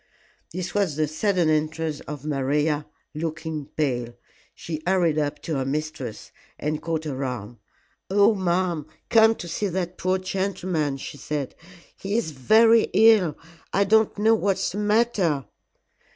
This was the sudden entrance of Maria, looking pale. She hurried up to her mistress and caught her arm. "Oh, ma'am, come to see that poor gentleman," she said. "He is very ill I don't know what's the matter."